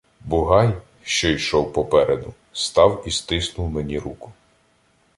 Бугай, що йшов попереду, став і стиснув мені руку.